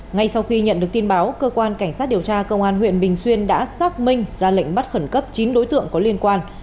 ngay sau khi nhận được tin báo cơ quan cảnh sát điều tra công an huyện bình xuyên đã xác minh ra lệnh bắt khẩn cấp chín đối tượng có liên quan